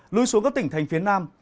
lưu xuống các tỉnh thành phía nam